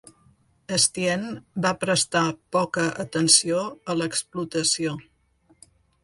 Estienne va prestar poca atenció a l'explotació.